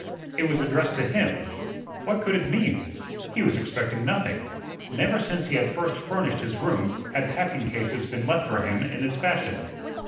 It was addressed to him. What could it mean? He was expecting nothing. Never since he had first furnished his room had packing cases been left for him in this fashion.